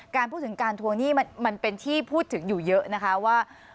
การพูดถึงการทวงหนี้มันเป็นที่พูดถึงอยู่เยอะนะคะว่า